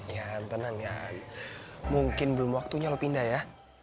ya tenang ya mungkin belum waktunya loh pindah ya